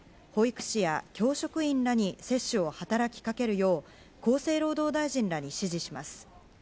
保育士や教職員らに接種を働きかけるよう厚生労働大臣らに指示します。